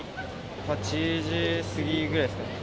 ８時過ぎぐらいですかね。